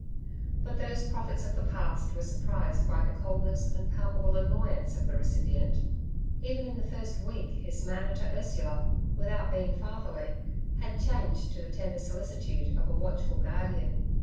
But those prophets of the past were surprised by the coldness and palpable annoyance of the recipient. Even in the first week his manner to Ursula, without being fatherly, had changed to the tender solicitude of a watchful guardian.